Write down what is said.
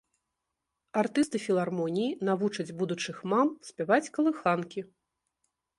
Артысты філармоніі навучаць будучых мам спяваць калыханкі.